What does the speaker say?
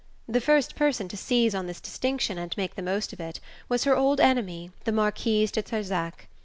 The first person to seize on this distinction and make the most of it was her old enemy the Marquise de Trezac.